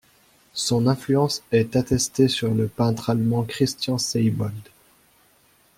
Son influence est attesté sur le peintre allemand Christian Seybold.